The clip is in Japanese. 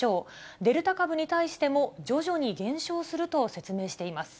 デルタ株に対しても徐々に減少すると説明しています。